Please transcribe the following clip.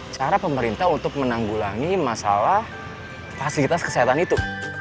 cara pemerintah untuk menanggulangi masalah fasilitas kesehatan itu